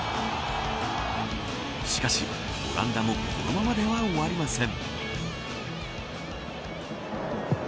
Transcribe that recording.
しかし、オランダもこのままでは終わりません。